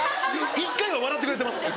一回は笑ってくれてます。